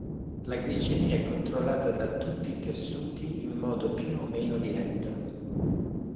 La glicemia è controllata da tutti i tessuti in modo più o meno diretto.